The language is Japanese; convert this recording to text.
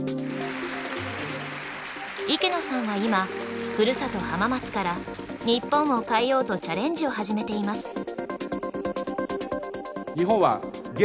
池野さんは今ふるさと浜松から日本を変えようとチャレンジを始めています。